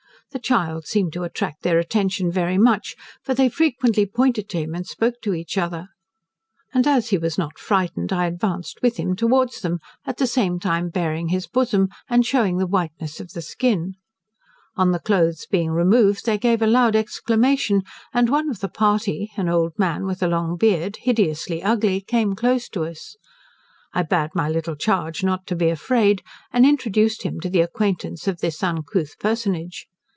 The child seemed to attract their attention very much, for they frequently pointed to him and spoke to each other; and as he was not frightened, I advanced with him towards them, at the same time baring his bosom and, shewing the whiteness of the skin. On the cloaths being removed, they gave a loud exclamation, and one of the party, an old man, with a long beard, hideously ugly, came close to us. I bade my little charge not to be afraid, and introduced him to the acquaintance of this uncouth personage.